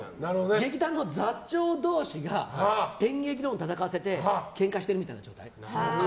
劇団の座長同士が演劇論を戦わせてけんかしてるみたいな状態。